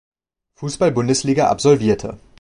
Fußball-Bundesliga absolvierte.